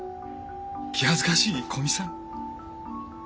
気恥ずかしい古見さん。